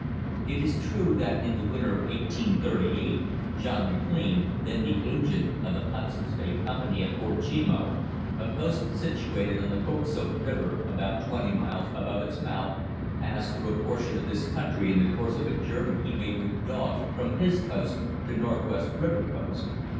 It is true that in the winter of 1838 John McLean, then the agent of the Hudson's Bay Company at Fort Chimo, a post situated on the Koksoak River about twenty miles above its mouth, passed through a portion of this country in the course of a journey he made with dogs from his post to Northwest River Post.